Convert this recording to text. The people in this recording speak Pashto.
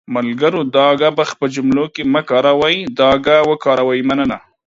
ملګرو دا گ په جملو کې مه کاروٸ، دا ګ وکاروٸ.مننه